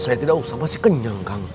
saya tidak usah masih kenyang kang